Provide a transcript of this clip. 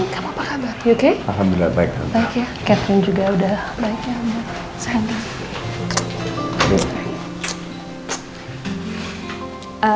kamu apa kabar oke alhamdulillah baik baik ya catherine juga udah baiknya